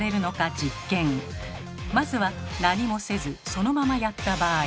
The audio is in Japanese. まずは何もせずそのままやった場合。